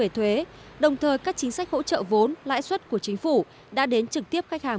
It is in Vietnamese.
thuế đồng thời các chính sách hỗ trợ vốn lãi suất của chính phủ đã đến trực tiếp khách hàng